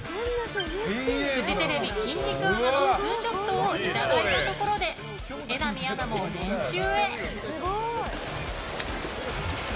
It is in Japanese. フジテレビ筋肉アナのツーショットをいただいたところで榎並アナも練習へ。